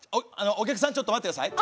お客さんちょっと待って下さい。